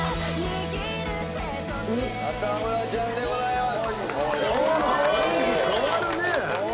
中村ちゃんでございます。